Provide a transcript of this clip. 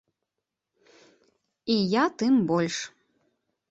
І я тым больш.